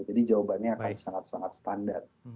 jadi jawabannya akan sangat sangat standar